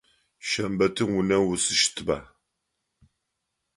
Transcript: Шэмбэтым унэм уисыщтыба?